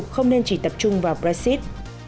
không nên chỉ tập trung vào brexit